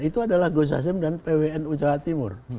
itu adalah gus hasim dan pwnu jawa timur